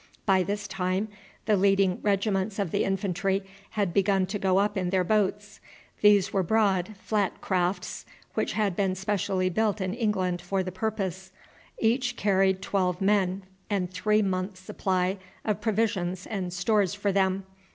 By this time the leading regiments of the infantry had begun to go up in their boats. These were broad, flat crafts, which had been specially built in England for the purpose. Each carried twelve men and three months' supply of provisions and stores for them.